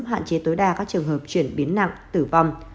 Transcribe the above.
hạn chế tối đa các trường hợp chuyển biến nặng tử vong